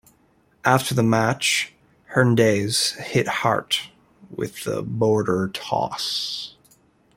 After the match, Hernandez hit Hart with the Border Toss.